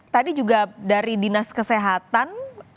tadi juga dari dinas kesehatan